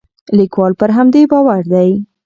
لیکوال پر همدې باور دی.